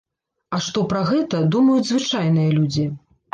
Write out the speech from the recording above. А што пра гэта думаюць звычайныя людзі?